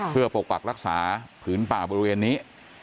เพื่อปกปักรักษาผืนป่าบริเวณนี้